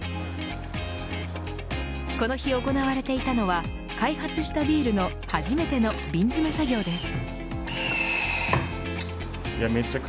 この日行われていたのは開発したビールの初めての瓶詰め作業です。